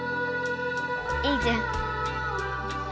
いいじゃん。